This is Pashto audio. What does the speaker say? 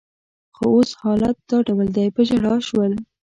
خو اوس حالت دا ډول دی، په ژړا شول.